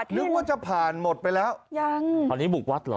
นึกว่าจะผ่านหมดไปแล้วยังตอนนี้บุกวัดเหรอ